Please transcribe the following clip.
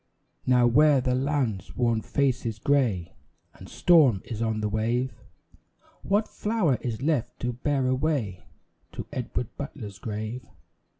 Now where the land's worn face is grey And storm is on the wave, What flower is left to bear away To Edward Butler's grave?